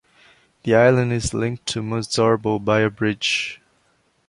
The island is linked to Mazzorbo by a bridge.